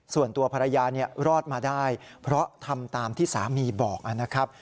ส่วนตัวภรรยารอดมาได้เพราะทำตามที่สามีบอกนะครับ